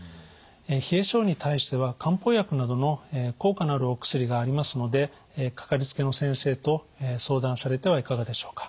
冷え性に対しては漢方薬などの効果のあるお薬がありますのでかかりつけの先生と相談されてはいかがでしょうか。